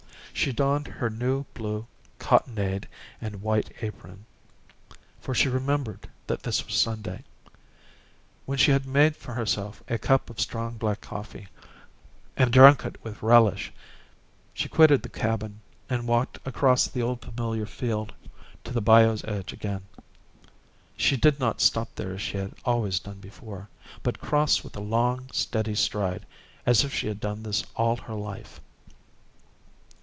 She donned her new blue cottonade and white apron, for she remembered that this was Sunday. When she had made for herself a cup of strong black coffee, and drunk it with relish, she quitted the cabin and walked across the old familiar field to the bayou's edge again. She did not stop there as she had always done before, but crossed with a long, steady stride as if she had done this all her life.